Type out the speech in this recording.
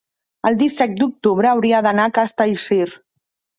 el disset d'octubre hauria d'anar a Castellcir.